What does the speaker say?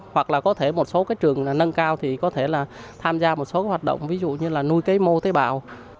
hoặc là có thể một số cái trường nâng cao thì có thể là tham gia một số hoạt động ví dụ như là nuôi cái mô tế bào